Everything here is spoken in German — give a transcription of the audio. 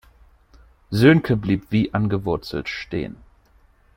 Sönke blieb wie angewurzelt stehen.